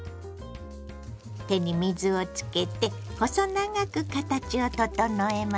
手に水をつけて細長く形を整えましょう。